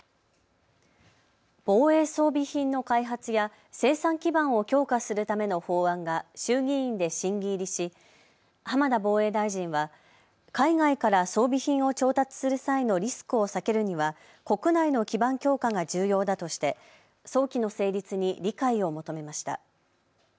防衛装備品の開発や生産基盤を強化するための法案が衆議院で審議入りし浜田防衛大臣は海外から装備品を調達する際のリスクを避けるには国内の基盤強化が重要だとして早期の成立に理解を求めました。